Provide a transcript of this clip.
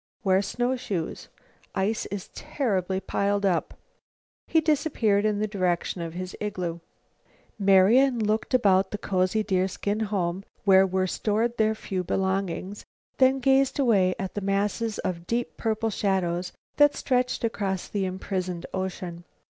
Wear snowshoes. Ice is terribly piled up." He disappeared in the direction of his own igloo. Marian looked about the cozy deerskin home where were stored their few belongings, then gazed away at the masses of deep purple shadows that stretched across the imprisoned ocean.